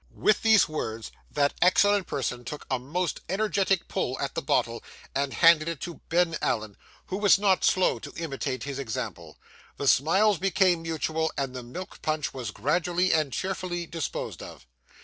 With these words, that excellent person took a most energetic pull at the bottle, and handed it to Ben Allen, who was not slow to imitate his example. The smiles became mutual, and the milk punch was gradually and cheerfully disposed of.